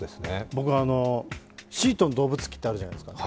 僕、シートン動物記ってあるじゃないですか。